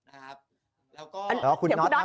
เดี๋ยวคุณน็อตนะครับ